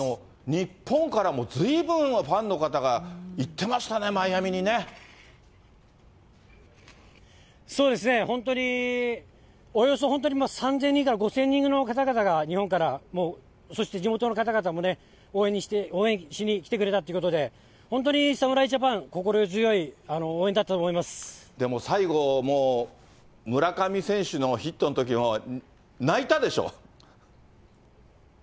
日本からもずいぶんファンの方が行ってましたね、そうですね、本当に、およそ本当に３０００人から５０００人の方々が日本からもう、そして地元の方々も応援しに来てくれたってことで、本当に侍ジャパン、でも最後、もう村上選手のヒットのとき、もう、泣いたでしょ。